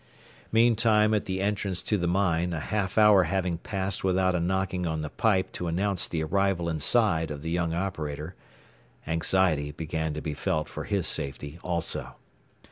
Meantime at the entrance to the mine, a half hour having passed without a knocking on the pipe to announce the arrival inside of the young operator, anxiety began to be felt for his safety also.